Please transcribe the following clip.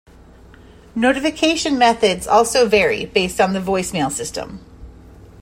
Notification methods also vary based on the voice-mail system.